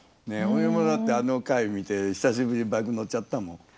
俺もだってあの回見て久しぶりにバイク乗っちゃったもん。